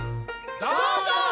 どうぞ！